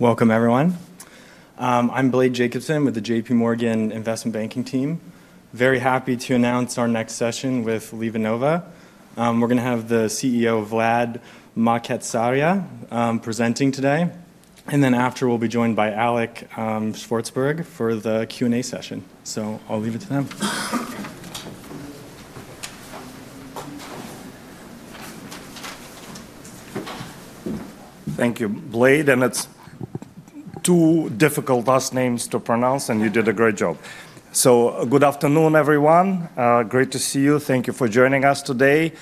Welcome, everyone. I'm Blake Jacobson with the J.P. Morgan Investment Banking team. Very happy to announce our next session with LivaNova. We're going to have the CEO, Vlad Makatsaria, presenting today. And then after, we'll be joined by Alex Shvartsburg for the Q&A session. So I'll leave it to them. Thank you, Blake. And it's two difficult last names to pronounce, and you did a great job. So good afternoon, everyone. Great to see you. Thank you for joining us today.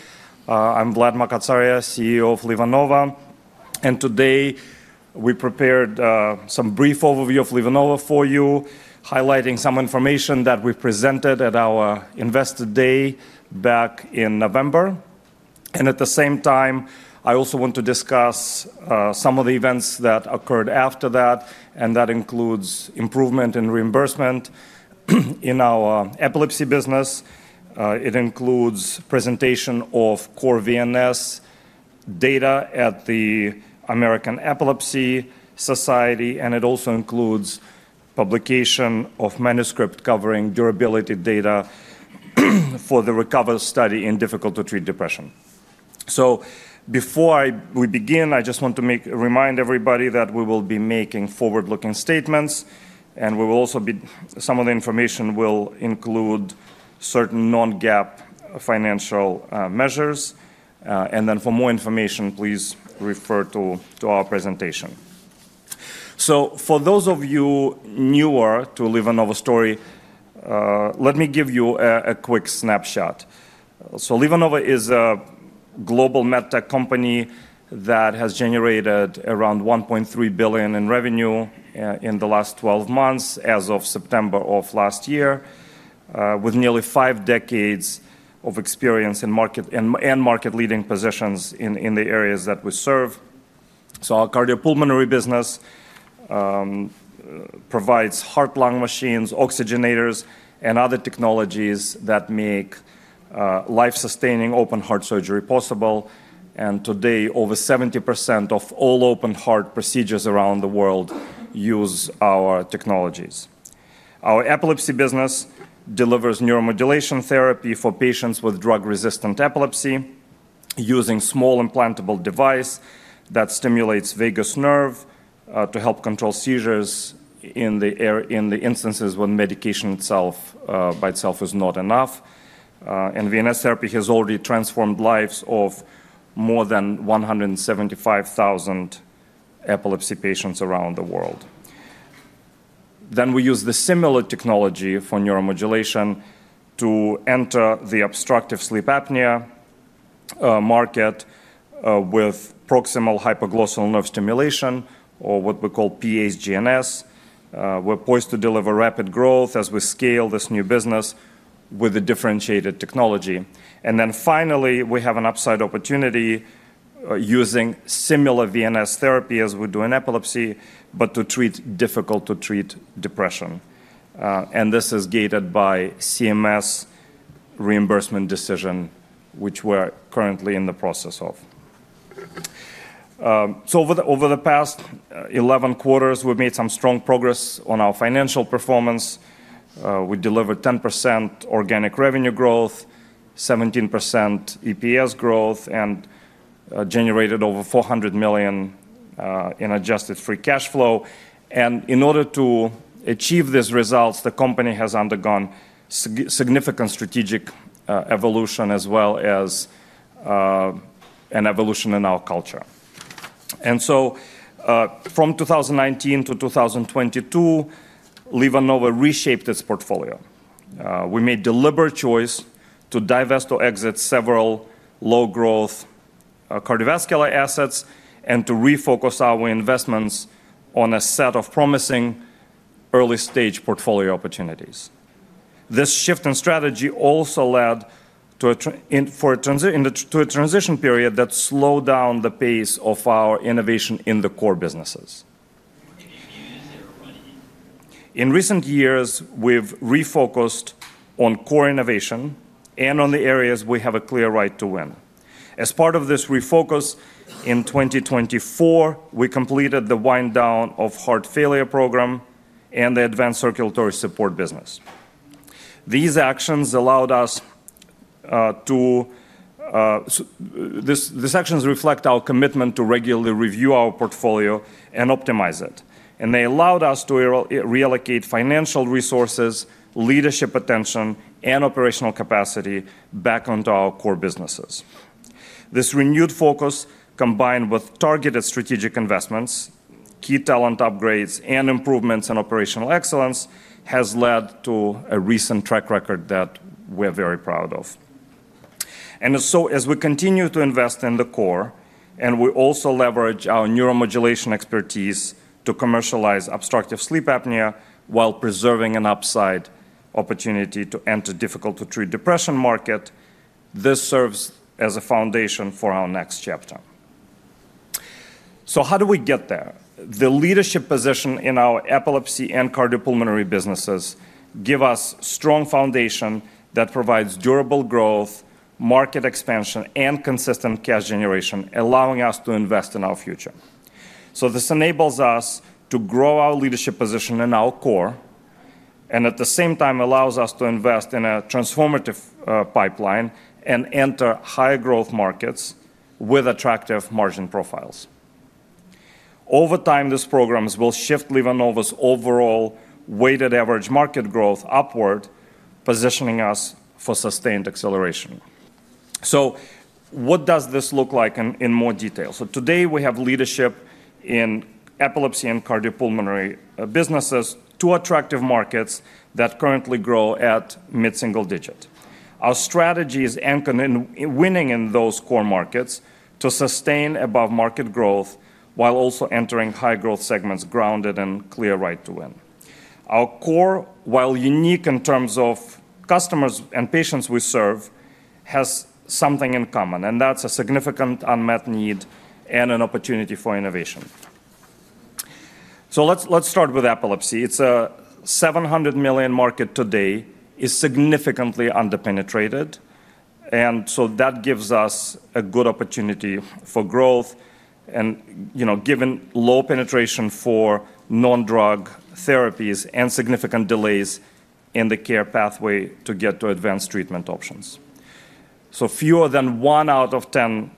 I'm Vlad Makatsaria, CEO of LivaNova. And today we prepared some brief overview of LivaNova for you, highlighting some information that we presented at our Investor Day back in November. And at the same time, I also want to discuss some of the events that occurred after that. And that includes improvement in reimbursement in our epilepsy business. It includes presentation of core VNS data at the American Epilepsy Society. And it also includes publication of manuscript covering durability data for the RECOVER study in difficult-to-treat depression. So before we begin, I just want to remind everybody that we will be making forward-looking statements. And some of the information will include certain non-GAAP financial measures. And then for more information, please refer to our presentation. So for those of you newer to LivaNova's story, let me give you a quick snapshot. So LivaNova is a global medtech company that has generated around $1.3 billion in revenue in the last 12 months as of September of last year, with nearly five decades of experience in market and market-leading positions in the areas that we serve. So our cardiopulmonary business provides heart, lung machines, oxygenators, and other technologies that make life-sustaining open heart surgery possible. And today, over 70% of all open heart procedures around the world use our technologies. Our epilepsy business delivers neuromodulation therapy for patients with drug-resistant epilepsy using a small implantable device that stimulates the vagus nerve to help control seizures in the instances when medication by itself is not enough. VNS Therapy has already transformed the lives of more than 175,000 epilepsy patients around the world. We use the similar technology for neuromodulation to enter the obstructive sleep apnea market with proximal hypoglossal nerve stimulation, or what we call PHGNS. We're poised to deliver rapid growth as we scale this new business with a differentiated technology. Finally, we have an upside opportunity using similar VNS Therapy as we do in epilepsy, but to treat difficult-to-treat depression. This is gated by CMS reimbursement decision, which we're currently in the process of. Over the past 11 quarters, we've made some strong progress on our financial performance. We delivered 10% organic revenue growth, 17% EPS growth, and generated over $400 million in adjusted free cash flow. In order to achieve these results, the company has undergone significant strategic evolution as well as an evolution in our culture. From 2019 to 2022, LivaNova reshaped its portfolio. We made a deliberate choice to divest or exit several low-growth cardiovascular assets and to refocus our investments on a set of promising early-stage portfolio opportunities. This shift in strategy also led to a transition period that slowed down the pace of our innovation in the core businesses. Can you mute everybody? In recent years, we've refocused on core innovation and on the areas we have a clear right to win. As part of this refocus in 2024, we completed the wind-down of the heart failure program and the advanced circulatory support business. These actions reflect our commitment to regularly review our portfolio and optimize it. And they allowed us to reallocate financial resources, leadership attention, and operational capacity back onto our core businesses. This renewed focus, combined with targeted strategic investments, key talent upgrades, and improvements in operational excellence, has led to a recent track record that we're very proud of. And so as we continue to invest in the core, and we also leverage our neuromodulation expertise to commercialize obstructive sleep apnea while preserving an upside opportunity to enter the difficult-to-treat depression market, this serves as a foundation for our next chapter. How do we get there? The leadership position in our epilepsy and cardiopulmonary businesses gives us a strong foundation that provides durable growth, market expansion, and consistent cash generation, allowing us to invest in our future. This enables us to grow our leadership position in our core and at the same time allows us to invest in a transformative pipeline and enter high-growth markets with attractive margin profiles. Over time, these programs will shift LivaNova's overall weighted average market growth upward, positioning us for sustained acceleration. What does this look like in more detail? Today, we have leadership in epilepsy and cardiopulmonary businesses, two attractive markets that currently grow at mid-single-digit. Our strategy is winning in those core markets to sustain above-market growth while also entering high-growth segments grounded in a clear right to win. Our core, while unique in terms of customers and patients we serve, has something in common, and that's a significant unmet need and an opportunity for innovation, so let's start with epilepsy. It's a $700 million market today, it is significantly underpenetrated. And so that gives us a good opportunity for growth, and given low penetration for non-drug therapies and significant delays in the care pathway to get to advanced treatment options. So fewer than one out of 10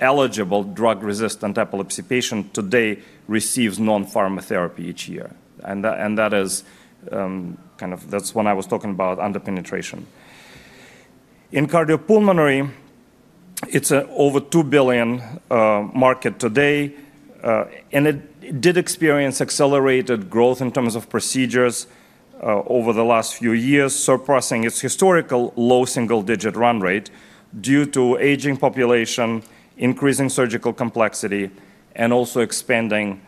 eligible drug-resistant epilepsy patients today receive non-pharmotherapy each year. And that is kind of, that's when I was talking about underpenetration. In cardiopulmonary, it's an over $2 billion market today. And it did experience accelerated growth in terms of procedures over the last few years, surpassing its historical low single-digit run rate due to an aging population, increasing surgical complexity, and also expanding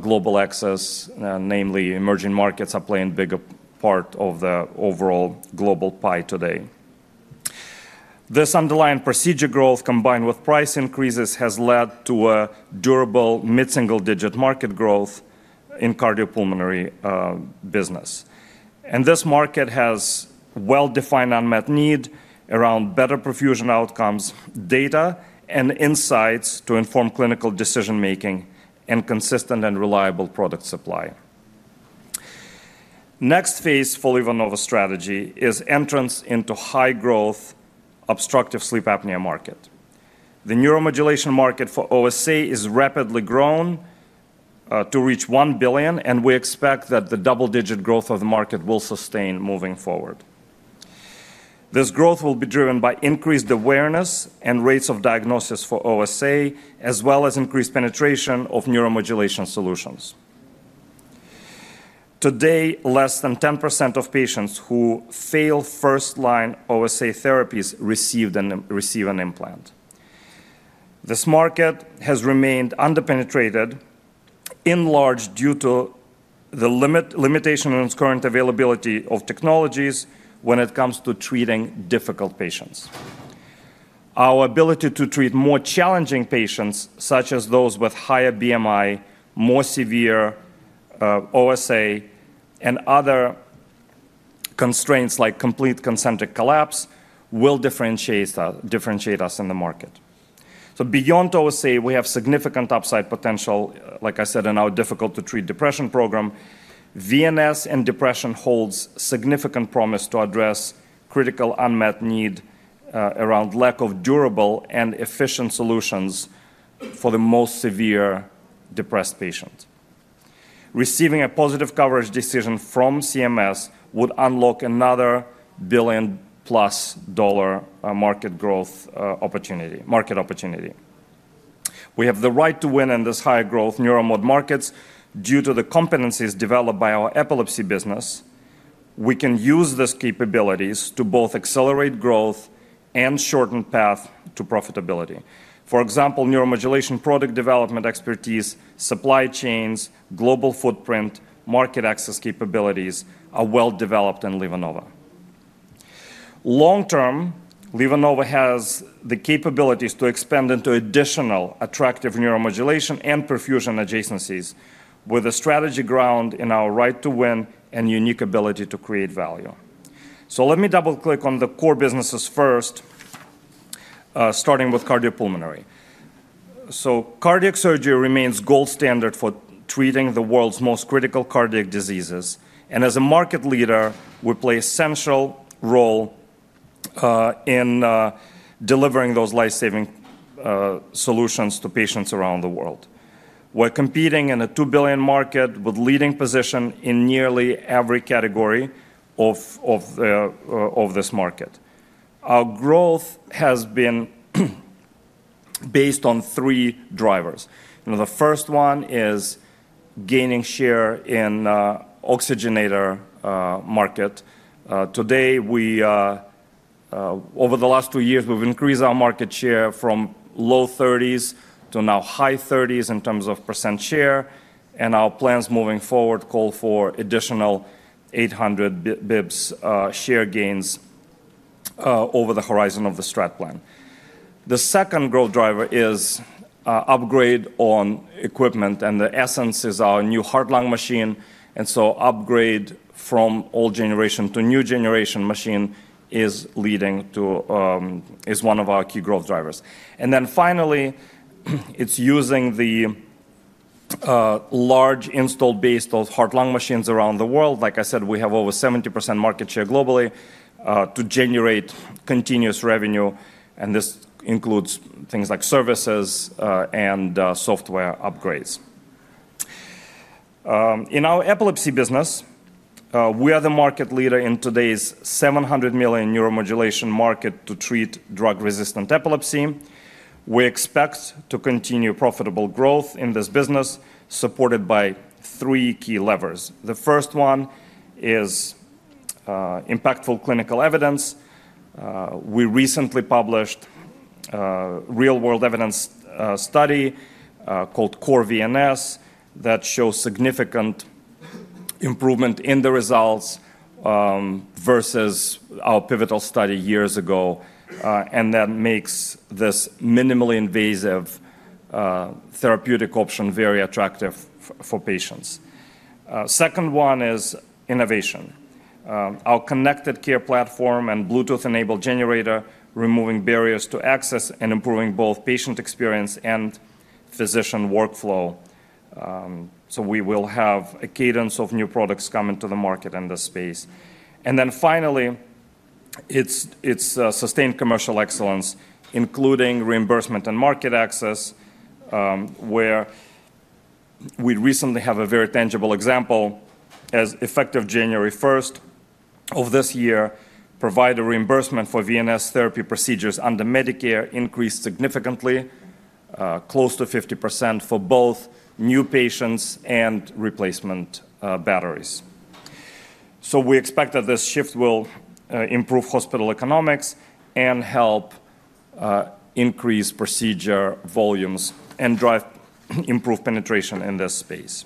global access. Namely, emerging markets are playing a bigger part of the overall global pie today. This underlying procedure growth, combined with price increases, has led to a durable mid-single-digit market growth in the cardiopulmonary business, and this market has a well-defined unmet need around better perfusion outcomes, data, and insights to inform clinical decision-making and consistent and reliable product supply. The next phase for LivaNova's strategy is entrance into the high-growth obstructive sleep apnea market. The neuromodulation market for OSA is rapidly growing to reach $1 billion, and we expect that the double-digit growth of the market will sustain moving forward. This growth will be driven by increased awareness and rates of diagnosis for OSA, as well as increased penetration of neuromodulation solutions. Today, less than 10% of patients who fail first-line OSA therapies receive an implant. This market has remained underpenetrated, enlarged due to the limitation in its current availability of technologies when it comes to treating difficult patients. Our ability to treat more challenging patients, such as those with higher BMI, more severe OSA, and other constraints like complete concentric collapse, will differentiate us in the market, so beyond OSA, we have significant upside potential, like I said, in our difficult-to-treat depression program. VNS and depression hold significant promise to address critical unmet need around the lack of durable and efficient solutions for the most severely depressed patients. Receiving a positive coverage decision from CMS would unlock another billion-plus dollar market growth market opportunity. We have the right to win in these high-growth neuromod markets due to the competencies developed by our epilepsy business. We can use these capabilities to both accelerate growth and shorten the path to profitability. For example, neuromodulation product development expertise, supply chains, global footprint, and market access capabilities are well developed in LivaNova. Long-term, LivaNova has the capabilities to expand into additional attractive neuromodulation and perfusion adjacencies with a strategy grounded in our right to win and unique ability to create value. So let me double-click on the core businesses first, starting with cardiopulmonary. So cardiac surgery remains the gold standard for treating the world's most critical cardiac diseases. And as a market leader, we play a central role in delivering those lifesaving solutions to patients around the world. We're competing in a $2 billion market with a leading position in nearly every category of this market. Our growth has been based on three drivers. The first one is gaining share in the oxygenator market. Today, over the last two years, we've increased our market share from low 30s to now high 30s in terms of % share, and our plans moving forward call for additional 800 basis points share gains over the horizon of the Strat Plan. The second growth driver is an upgrade on equipment, and the essence is our new heart-lung machine, and so an upgrade from old generation to new generation machine is leading to one of our key growth drivers, and then finally, it's using the large installed base of heart-lung machines around the world. Like I said, we have over 70% market share globally to generate continuous revenue, and this includes things like services and software upgrades. In our epilepsy business, we are the market leader in today's $700 million neuromodulation market to treat drug-resistant epilepsy. We expect to continue profitable growth in this business supported by three key levers. The first one is impactful clinical evidence. We recently published a real-world evidence study called CORE-VNS that shows significant improvement in the results versus our pivotal study years ago. And that makes this minimally invasive therapeutic option very attractive for patients. The second one is innovation. Our connected care platform and Bluetooth-enabled generator are removing barriers to access and improving both patient experience and physician workflow. So we will have a cadence of new products coming to the market in this space. And then finally, it's sustained commercial excellence, including reimbursement and market access, where we recently have a very tangible example, effective January 1st of this year, providing reimbursement for VNS Therapy procedures under Medicare, increased significantly, close to 50% for both new patients and replacement batteries. So we expect that this shift will improve hospital economics and help increase procedure volumes and improve penetration in this space.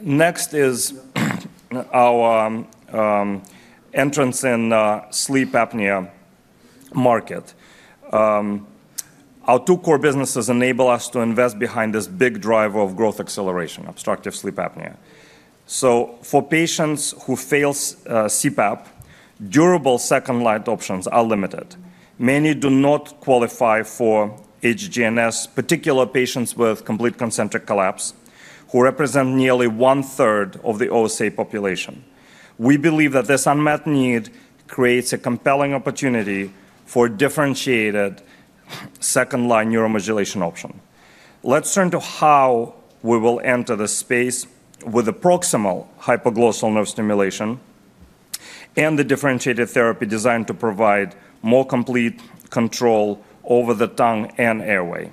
Next is our entrance in the sleep apnea market. Our two core businesses enable us to invest behind this big driver of growth acceleration, obstructive sleep apnea. So for patients who fail CPAP, durable second-line options are limited. Many do not qualify for HGNS, particularly patients with complete concentric collapse, who represent nearly one-third of the OSA population. We believe that this unmet need creates a compelling opportunity for a differentiated second-line neuromodulation option. Let's turn to how we will enter the space with the proximal hypoglossal nerve stimulation and the differentiated therapy designed to provide more complete control over the tongue and airway.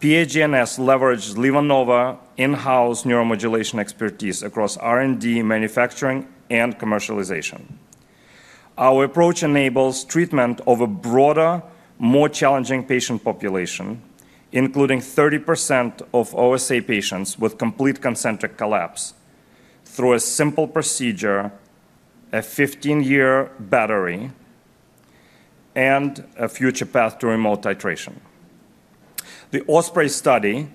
PAGNS leverages LivaNova's in-house neuromodulation expertise across R&D, manufacturing, and commercialization. Our approach enables treatment of a broader, more challenging patient population, including 30% of OSA patients with complete concentric collapse, through a simple procedure, a 15-year battery, and a future path to remote titration. The OSPREY study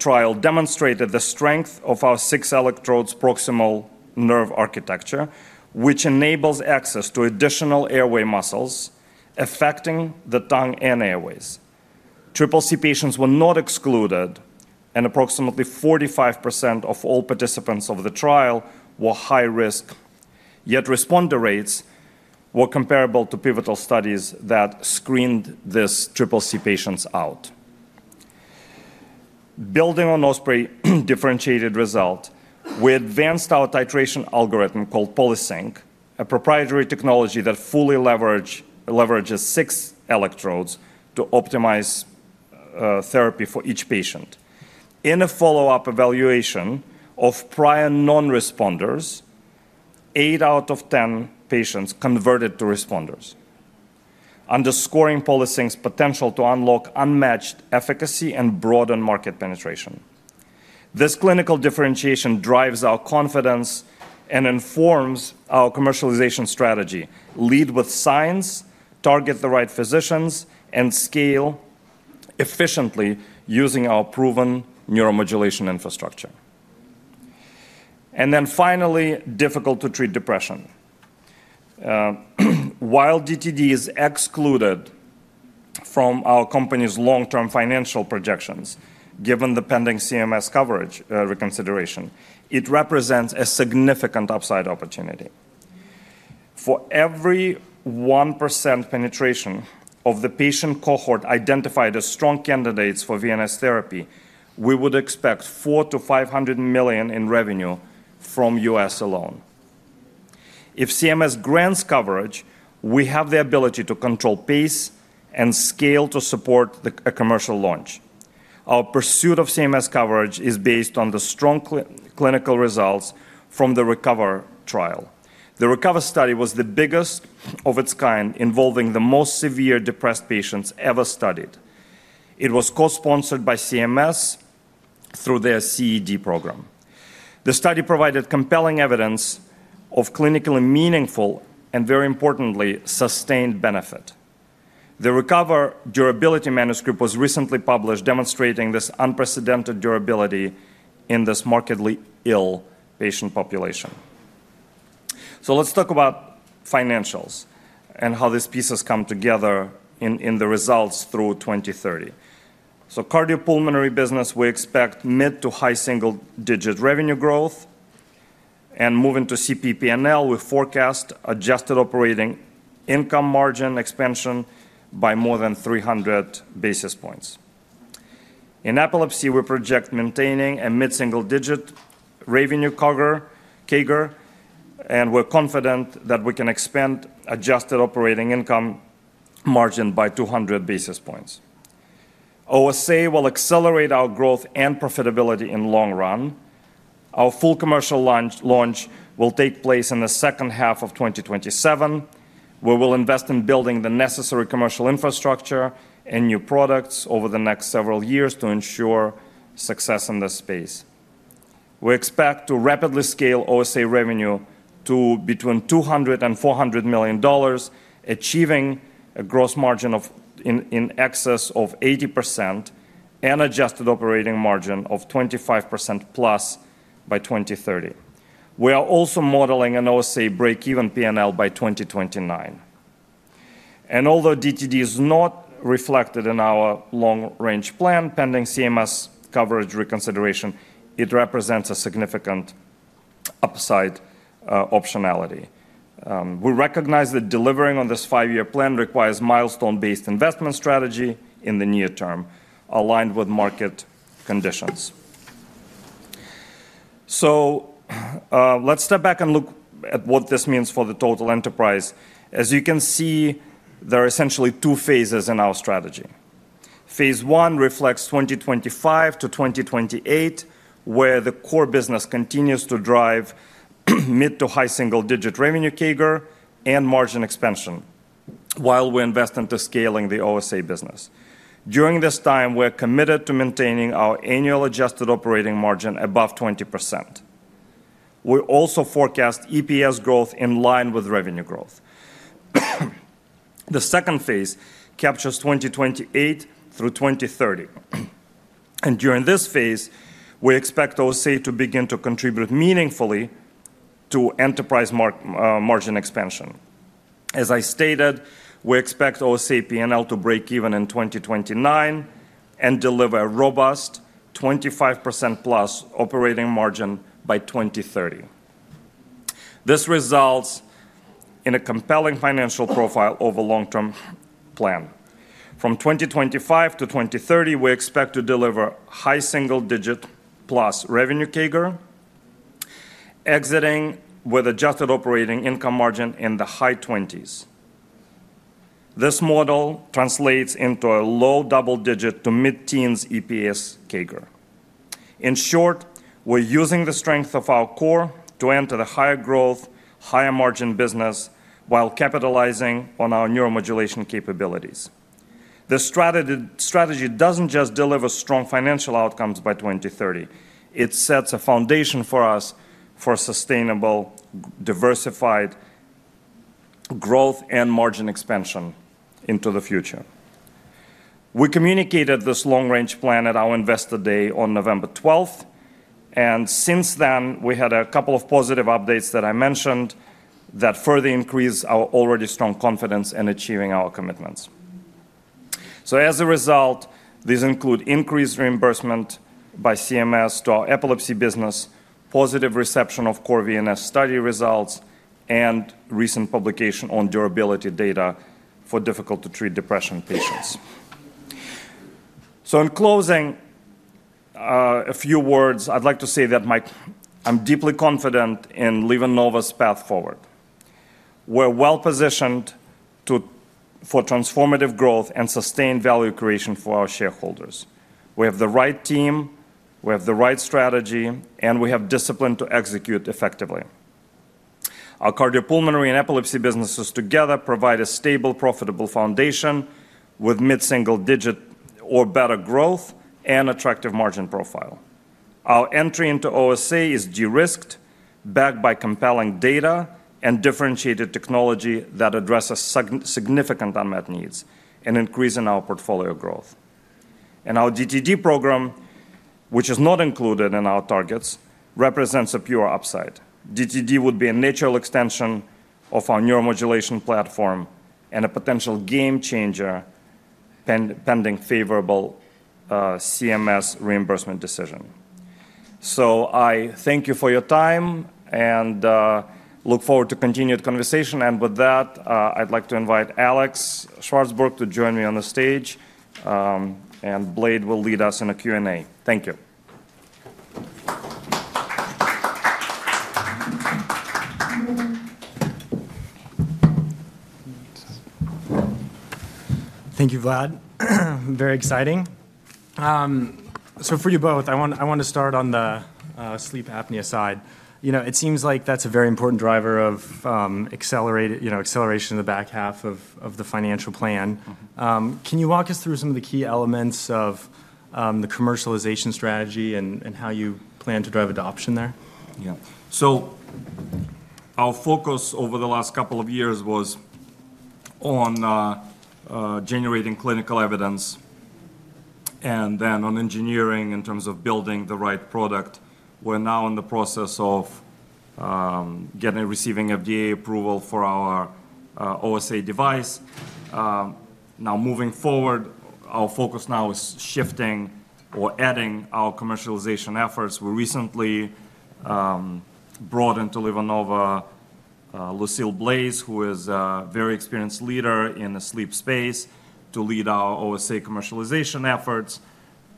trial demonstrated the strength of our six electrodes proximal nerve architecture, which enables access to additional airway muscles affecting the tongue and airways. Triple C patients were not excluded. Approximately 45% of all participants of the trial were high-risk. Yet responder rates were comparable to pivotal studies that screened these Triple C patients out. Building on OSPREY's differentiated result, we advanced our titration algorithm called PolySync, a proprietary technology that fully leverages six electrodes to optimize therapy for each patient. In a follow-up evaluation of prior non-responders, eight out of 10 patients converted to responders, underscoring PolySync's potential to unlock unmatched efficacy and broaden market penetration. This clinical differentiation drives our confidence and informs our commercialization strategy: lead with science, target the right physicians, and scale efficiently using our proven neuromodulation infrastructure. And then finally, difficult-to-treat depression. While DTD is excluded from our company's long-term financial projections, given the pending CMS coverage reconsideration, it represents a significant upside opportunity. For every 1% penetration of the patient cohort identified as strong candidates for VNS Therapy, we would expect $400 million-$500 million in revenue from the US alone. If CMS grants coverage, we have the ability to control pace and scale to support a commercial launch. Our pursuit of CMS coverage is based on the strong clinical results from the RECOVER trial. The RECOVER study was the biggest of its kind, involving the most severe depressed patients ever studied. It was co-sponsored by CMS through their CED program. The study provided compelling evidence of clinically meaningful and, very importantly, sustained benefit. The RECOVER durability manuscript was recently published, demonstrating this unprecedented durability in this markedly ill patient population. So let's talk about financials and how these pieces come together in the results through 2030. So in the cardiopulmonary business, we expect mid- to high single-digit revenue growth. And moving to CP P&L, we forecast adjusted operating income margin expansion by more than 300 basis points. In epilepsy, we project maintaining a mid-single-digit revenue CAGR, and we're confident that we can expand adjusted operating income margin by 200 basis points. OSA will accelerate our growth and profitability in the long run. Our full commercial launch will take place in the second half of 2027. We will invest in building the necessary commercial infrastructure and new products over the next several years to ensure success in this space. We expect to rapidly scale OSA revenue to between $200 and $400 million, achieving a gross margin in excess of 80% and an adjusted operating margin of 25% plus by 2030. We are also modeling an OSA break-even P&L by 2029. And although DTD is not reflected in our long-range plan, pending CMS coverage reconsideration, it represents a significant upside optionality. We recognize that delivering on this five-year plan requires a milestone-based investment strategy in the near term, aligned with market conditions. So let's step back and look at what this means for the total enterprise. As you can see, there are essentially two phases in our strategy. Phase one reflects 2025 to 2028, where the core business continues to drive mid to high single-digit revenue CAGR and margin expansion while we invest into scaling the OSA business. During this time, we are committed to maintaining our annual adjusted operating margin above 20%. We also forecast EPS growth in line with revenue growth. The second phase captures 2028 through 2030, and during this phase, we expect OSA to begin to contribute meaningfully to enterprise margin expansion. As I stated, we expect OSA P&L to break even in 2029 and deliver a robust 25% plus operating margin by 2030. This results in a compelling financial profile over the long-term plan. From 2025 to 2030, we expect to deliver high single-digit plus revenue CAGR, exiting with adjusted operating income margin in the high 20s. This model translates into a low double-digit to mid-teens EPS CAGR. In short, we're using the strength of our core to enter the higher growth, higher margin business while capitalizing on our neuromodulation capabilities. This strategy doesn't just deliver strong financial outcomes by 2030. It sets a foundation for us for sustainable, diversified growth and margin expansion into the future. We communicated this long-range plan at our investor day on November 12th, and since then, we had a couple of positive updates that I mentioned that further increase our already strong confidence in achieving our commitments, so as a result, these include increased reimbursement by CMS to our epilepsy business, positive reception of CORE-VNS study results, and recent publication on durability data for difficult-to-treat depression patients, so in closing, a few words. I'd like to say that I'm deeply confident in LivaNova's path forward. We're well-positioned for transformative growth and sustained value creation for our shareholders. We have the right team. We have the right strategy. And we have discipline to execute effectively. Our cardiopulmonary and epilepsy businesses together provide a stable, profitable foundation with mid-single-digit or better growth and attractive margin profile. Our entry into OSA is de-risked, backed by compelling data and differentiated technology that addresses significant unmet needs and increases our portfolio growth. And our DTD program, which is not included in our targets, represents a pure upside. DTD would be a natural extension of our neuromodulation platform and a potential game changer pending favorable CMS reimbursement decision. So I thank you for your time and look forward to continued conversation. And with that, I'd like to invite Alex Shvartsburg to join me on the stage. And Blake will lead us in a Q&A. Thank you. Thank you, Vlad. Very exciting. So for you both, I want to start on the sleep apnea side. It seems like that's a very important driver of acceleration in the back half of the financial plan. Can you walk us through some of the key elements of the commercialization strategy and how you plan to drive adoption there? Yeah. So our focus over the last couple of years was on generating clinical evidence and then on engineering in terms of building the right product. We're now in the process of getting and receiving FDA approval for our OSA device. Now moving forward, our focus now is shifting or adding our commercialization efforts. We recently brought into LivaNova Lucile Blaise, who is a very experienced leader in the sleep space, to lead our OSA commercialization efforts,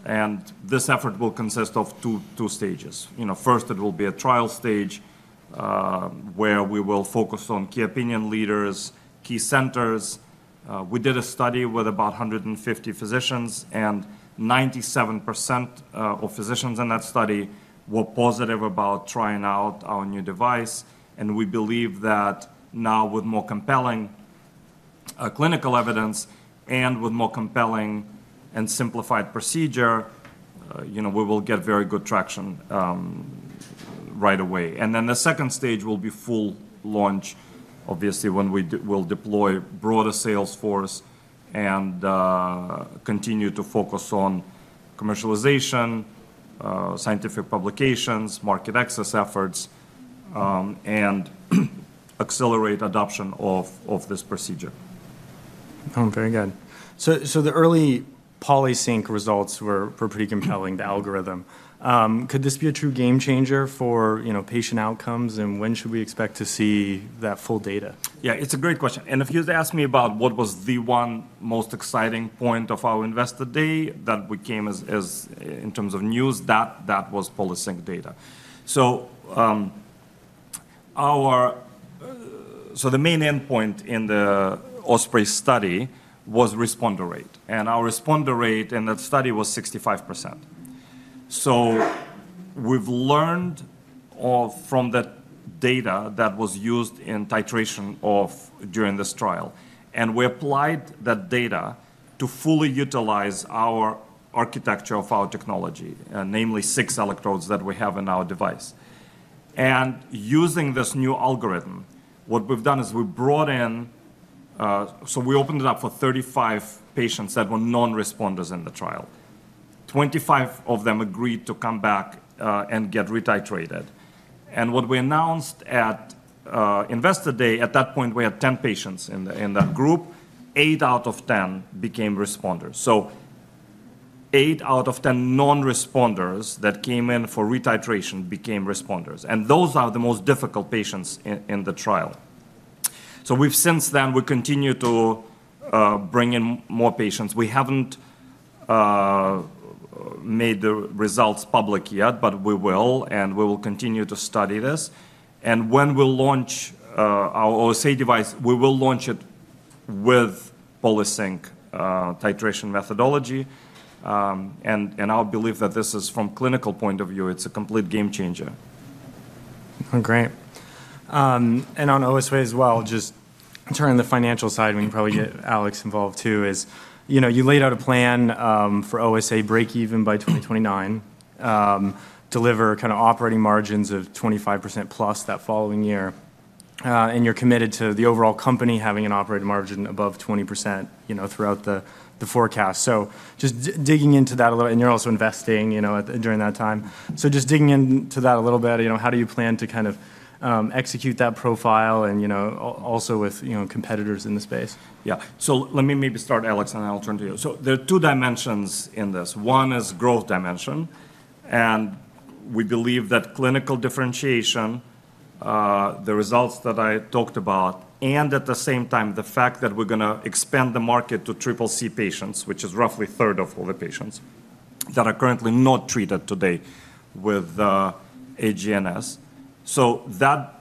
and this effort will consist of two stages. First, it will be a trial stage where we will focus on key opinion leaders, key centers. We did a study with about 150 physicians, and 97% of physicians in that study were positive about trying out our new device, and we believe that now, with more compelling clinical evidence and with more compelling and simplified procedure, we will get very good traction right away. And then the second stage will be full launch, obviously, when we will deploy broader sales force and continue to focus on commercialization, scientific publications, market access efforts, and accelerate adoption of this procedure. Very good, so the early PolySync results were pretty compelling, the algorithm. Could this be a true game changer for patient outcomes? And when should we expect to see that full data? Yeah, it's a great question, and if you'd ask me about what was the one most exciting point of our investor day that we came in terms of news, that was PolySync data. So the main endpoint in the Osprey study was responder rate, and our responder rate in that study was 65%. So we've learned from the data that was used in titration during this trial, and we applied that data to fully utilize our architecture of our technology, namely six electrodes that we have in our device. And using this new algorithm, what we've done is we brought in, so we opened it up for 35 patients that were non-responders in the trial. 25 of them agreed to come back and get retitrated, and what we announced at investor day, at that point, we had 10 patients in that group. 8 out of 10 became responders. So eight out of 10 non-responders that came in for retitration became responders. And those are the most difficult patients in the trial. So since then, we continue to bring in more patients. We haven't made the results public yet, but we will. And we will continue to study this. And when we launch our OSA device, we will launch it with PolySync titration methodology. And I believe that this is, from a clinical point of view, a complete game changer. Great. And on OSA as well, just turning to the financial side, we can probably get Alex involved too, as you laid out a plan for OSA break-even by 2029, deliver kind of operating margins of 25% plus that following year. And you're committed to the overall company having an operating margin above 20% throughout the forecast. So just digging into that a little, and you're also investing during that time. So just digging into that a little bit, how do you plan to kind of execute that profile and also with competitors in the space? Yeah. So let me maybe start, Alex, and I'll turn to you. So there are two dimensions in this. One is growth dimension. And we believe that clinical differentiation, the results that I talked about, and at the same time, the fact that we're going to expand the market to Triple C patients, which is roughly a third of all the patients that are currently not treated today with HGNS. So that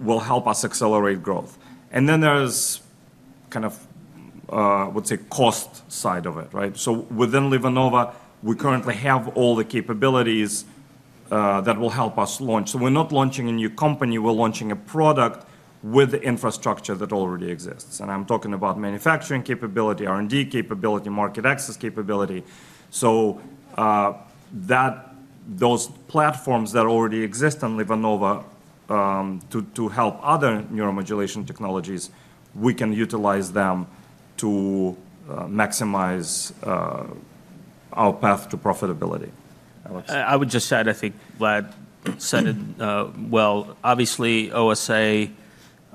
will help us accelerate growth. And then there is kind of, I would say, the cost side of it. So within LivaNova, we currently have all the capabilities that will help us launch. So we're not launching a new company. We're launching a product with the infrastructure that already exists. And I'm talking about manufacturing capability, R&D capability, market access capability. So those platforms that already exist in LivaNova to help other neuromodulation technologies, we can utilize them to maximize our path to profitability. I would just add, I think Vlad said it well. Obviously, OSA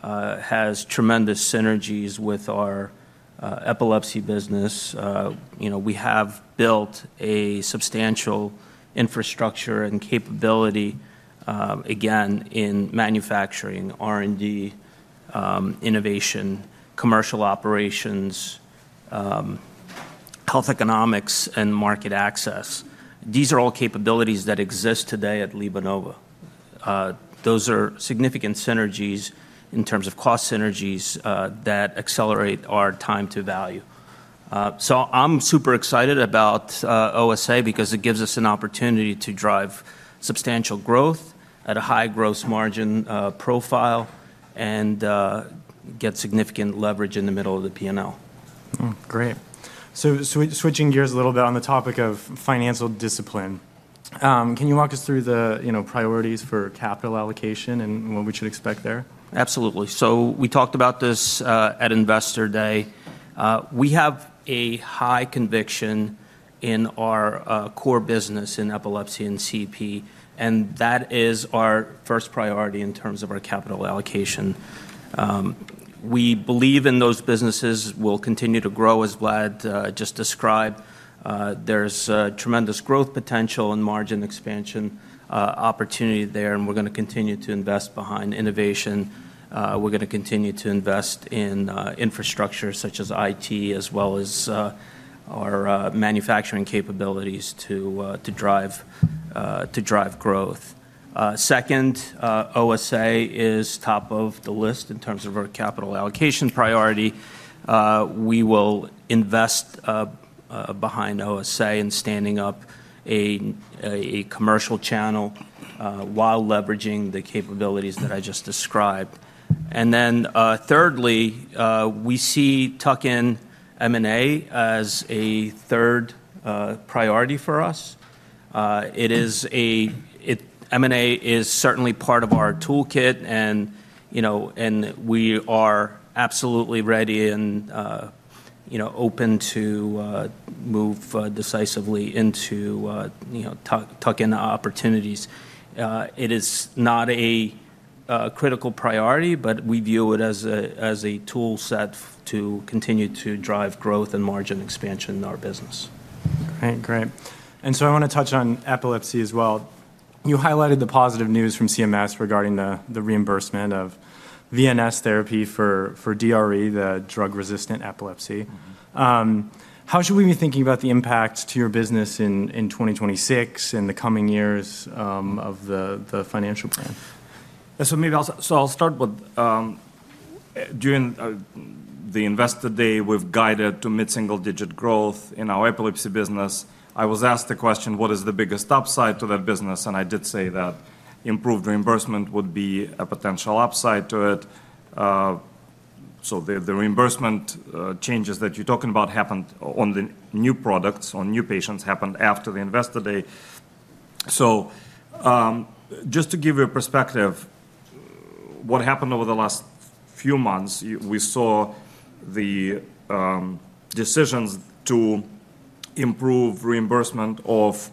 has tremendous synergies with our epilepsy business. We have built a substantial infrastructure and capability, again, in manufacturing, R&D, innovation, commercial operations, health economics, and market access. These are all capabilities that exist today at LivaNova. Those are significant synergies in terms of cost synergies that accelerate our time to value. So I'm super excited about OSA because it gives us an opportunity to drive substantial growth at a high gross margin profile and get significant leverage in the middle of the P&L. Great. So switching gears a little bit on the topic of financial discipline, can you walk us through the priorities for capital allocation and what we should expect there? Absolutely. So we talked about this at investor day. We have a high conviction in our core business in epilepsy and CP. And that is our first priority in terms of our capital allocation. We believe in those businesses will continue to grow, as Vlad just described. There's tremendous growth potential and margin expansion opportunity there. And we're going to continue to invest behind innovation. We're going to continue to invest in infrastructure such as IT, as well as our manufacturing capabilities to drive growth. Second, OSA is top of the list in terms of our capital allocation priority. We will invest behind OSA in standing up a commercial channel while leveraging the capabilities that I just described. And then thirdly, we see tuck in M&A as a third priority for us. M&A is certainly part of our toolkit. We are absolutely ready and open to move decisively into tuck-in opportunities. It is not a critical priority, but we view it as a tool set to continue to drive growth and margin expansion in our business. Great. And so I want to touch on epilepsy as well. You highlighted the positive news from CMS regarding the reimbursement of VNS Therapy for DRE, the drug-resistant epilepsy. How should we be thinking about the impact to your business in 2026 and the coming years of the financial plan? So, I'll start with during the investor day. We've guided to mid-single digit growth in our epilepsy business. I was asked the question, "What is the biggest upside to that business?" And I did say that improved reimbursement would be a potential upside to it. So, the reimbursement changes that you're talking about happened on the new products, on new patients, happened after the investor day. So, just to give you a perspective, what happened over the last few months. We saw the decisions to improve reimbursement of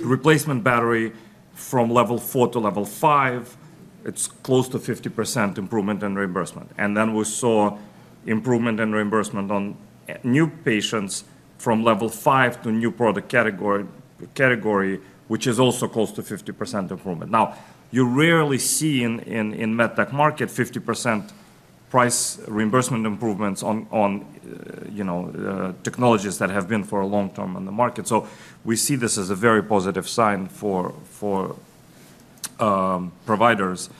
replacement battery from level 4 to level 5. It's close to 50% improvement in reimbursement. And then we saw improvement in reimbursement on new patients from level 5 to new product category, which is also close to 50% improvement. Now, you're rarely seeing in the med tech market 50% price reimbursement improvements on technologies that have been for a long time on the market. So we see this as a very positive sign for providers.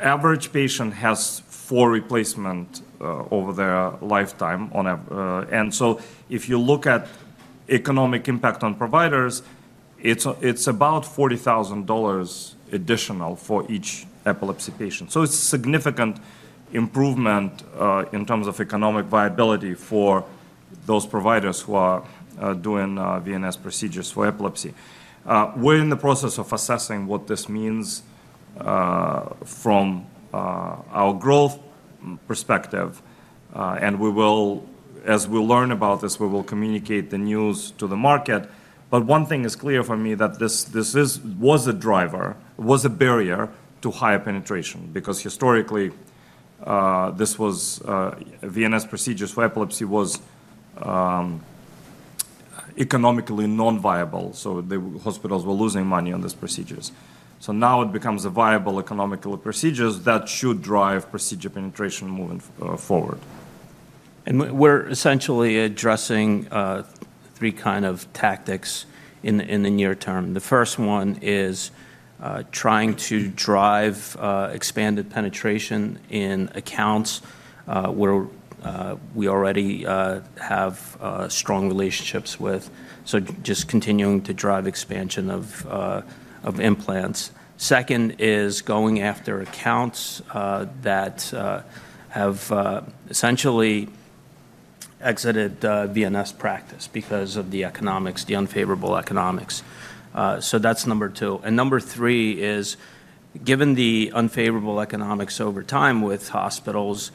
Average patient has four replacements over their lifetime. And so if you look at economic impact on providers, it's about $40,000 additional for each epilepsy patient. So it's a significant improvement in terms of economic viability for those providers who are doing VNS procedures for epilepsy. We're in the process of assessing what this means from our growth perspective. And as we learn about this, we will communicate the news to the market. But one thing is clear for me that this was a driver, was a barrier to higher penetration. Because historically, VNS procedures for epilepsy were economically non-viable. So the hospitals were losing money on these procedures. So now it becomes a viable economical procedure that should drive procedure penetration moving forward. And we're essentially addressing three kinds of tactics in the near term. The first one is trying to drive expanded penetration in accounts where we already have strong relationships with. So just continuing to drive expansion of implants. Second is going after accounts that have essentially exited VNS practice because of the economics, the unfavorable economics. So that's number two. And number three is, given the unfavorable economics over time with hospitals,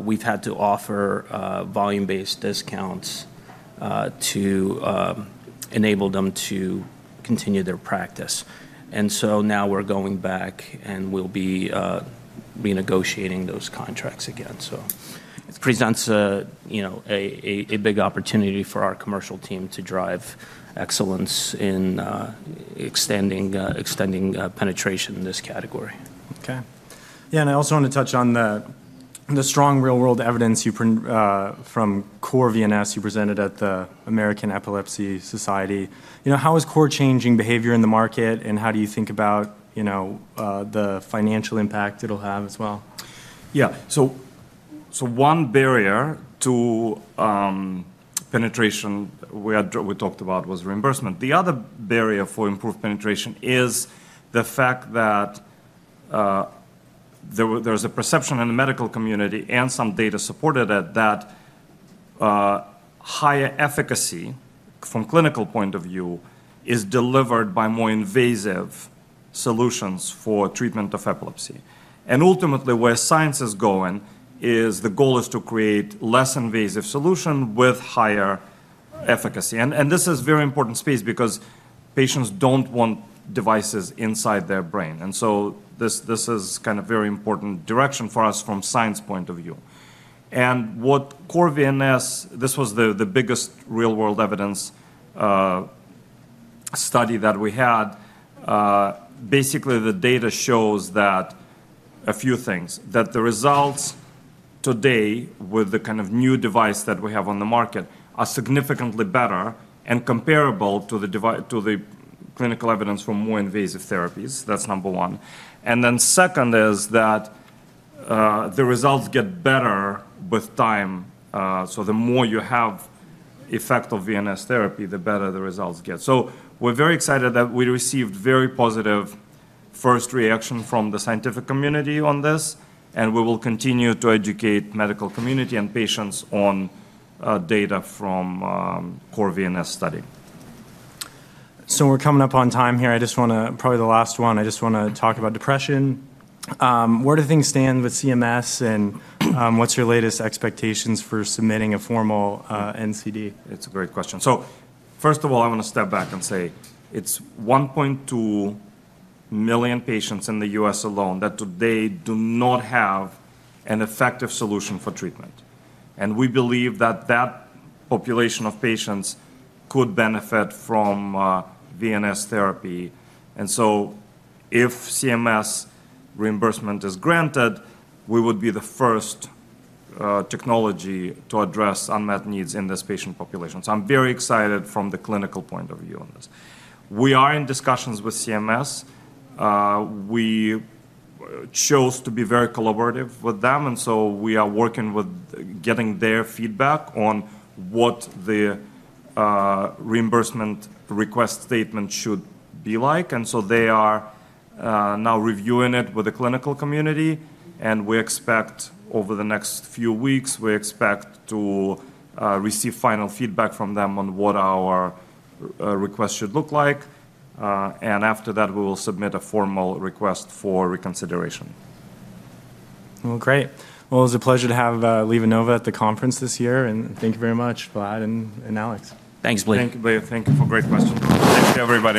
we've had to offer volume-based discounts to enable them to continue their practice. And so now we're going back and we'll be renegotiating those contracts again. So it presents a big opportunity for our commercial team to drive excellence in extending penetration in this category. Okay. Yeah. And I also want to touch on the strong real-world evidence from CORE-VNS you presented at the American Epilepsy Society. How is CORE-VNS changing behavior in the market? How do you think about the financial impact it'll have as well? Yeah. So one barrier to penetration we talked about was reimbursement. The other barrier for improved penetration is the fact that there is a perception in the medical community and some data supported it that higher efficacy from a clinical point of view is delivered by more invasive solutions for treatment of epilepsy. And ultimately, where science is going is the goal is to create less invasive solutions with higher efficacy. And this is a very important space because patients don't want devices inside their brain. And so this is kind of a very important direction for us from a science point of view. And what CORE-VNS, this was the biggest real-world evidence study that we had. Basically, the data shows a few things, that the results today with the kind of new device that we have on the market are significantly better and comparable to the clinical evidence for more invasive therapies. That's number one. Then second is that the results get better with time. So the more you have effect of VNS Therapy, the better the results get. So we're very excited that we received very positive first reaction from the scientific community on this. And we will continue to educate the medical community and patients on data from CORE-VNS study. We're coming up on time here. I just want to, probably the last one, I just want to talk about depression. Where do things stand with CMS? What's your latest expectations for submitting a formal NCD? It's a great question, so first of all, I want to step back and say it's 1.2 million patients in the U.S. alone that today do not have an effective solution for treatment, and we believe that that population of patients could benefit from VNS Therapy, and so if CMS reimbursement is granted, we would be the first technology to address unmet needs in this patient population, so I'm very excited from the clinical point of view on this. We are in discussions with CMS. We chose to be very collaborative with them, and so we are working with getting their feedback on what the reimbursement request statement should be like, and so they are now reviewing it with the clinical community, and we expect over the next few weeks, we expect to receive final feedback from them on what our request should look like. After that, we will submit a formal request for reconsideration. Great. It was a pleasure to have LivaNova at the conference this year. Thank you very much, Vlad and Alex. Thanks, Blake. Thank you, Blake. Thank you for great questions. Thank you, everyone.